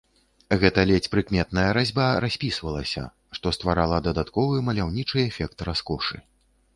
Гэта ледзь прыкметная разьба распісвалася, што стварала дадатковы маляўнічы эфект раскошы.